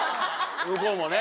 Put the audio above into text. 向こうもね。